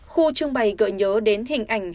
khu trưng bày gợi nhớ đến hình ảnh